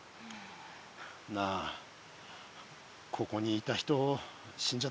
なあここにいた人死んじゃったのかな。